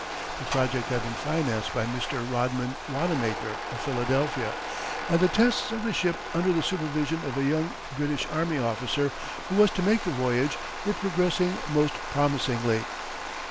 The project had been financed by Mr. Rodman Wanamaker, of Philadelphia, and the tests of the ship under the supervision of a young British army officer who was to make the voyage were progressing most promisingly.